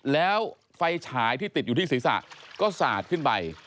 แล้วไฟฉายที่ติดอยู่ที่ศีรษะก็สาดขึ้นไป